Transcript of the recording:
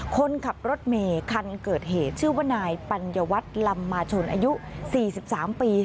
คนขับรถเมย์คันเกิดเหตุชื่อว่านายปัญญวัตรลำมาชนอายุ๔๓ปี